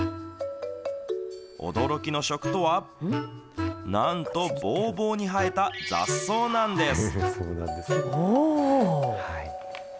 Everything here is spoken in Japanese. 驚きの食とは、なんとぼーぼーに生えた雑草なんです。